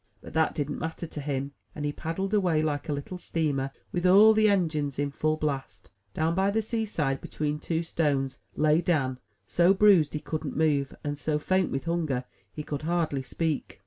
But that didn't matter to him; and he paddled away, like a little steamer with all the engines in full blast. Down by the seaside, between two stones, lay Dan, so bruised he couldn't move, and so faint with hunger he could hardly speak.